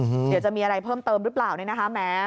เดี๋ยวจะมีอะไรเพิ่มเติมหรือเปล่าเนี่ยนะคะแม้